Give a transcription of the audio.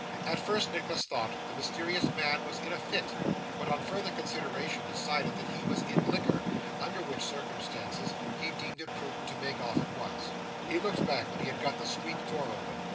At first, Nicholas thought the mysterious man was in a fit, but, on further consideration, decided that he was in liquor, under which circumstances he deemed it prudent to make off at once. He looked back when he had got the street door open.